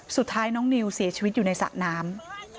สุดท้ายน้องนิวเสียชีวิตอยู่ในสระน้ำ